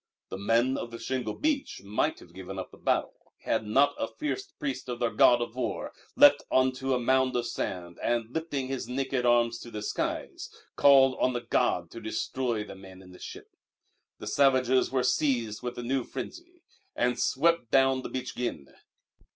The Men of the Shingle Beach might have given up the battle had not a fierce priest of their god of war leapt on to a mound of sand, and, lifting his naked arms to the skies, called on the god to destroy the men in the ship. The savages were seized with a new frenzy and swept down the beach again.